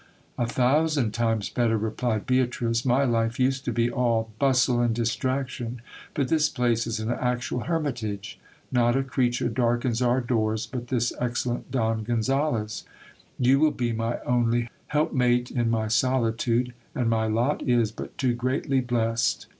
A thousand times better, replied Beatrice; my life used to be all bustle and distraction ; but this place is an actual hermit age. Not a creature darkens our doors but this excellent Don Gonzales. You will be my only helpmate in my solitude, and my lot is but too greatly blessed.